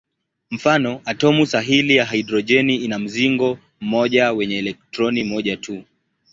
Mfano: atomu sahili ya hidrojeni ina mzingo mmoja wenye elektroni moja tu.